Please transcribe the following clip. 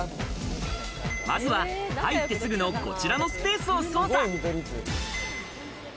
まずは入ってすぐのこちらのスペースを捜査。